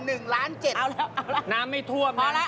เอาแล้วน้ำไม่ท่วมน้ำไม่ท่วมโอเค